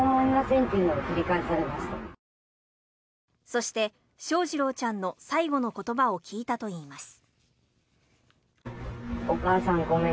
そして、翔士郎ちゃんの最後の言葉を聞いたといいます。